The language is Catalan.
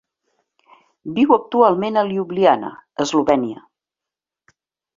Viu actualment a Ljubljana, Slovenia.